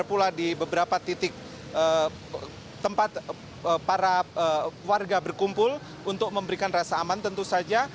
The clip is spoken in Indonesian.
dan juga pula di beberapa titik tempat para warga berkumpul untuk memberikan rasa aman tentu saja